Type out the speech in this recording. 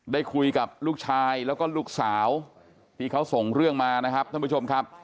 ได้คุยกับลูกชายแล้วก็ลูกสาวที่เขาส่งเรื่องมานะครับท่านผู้ชมครับ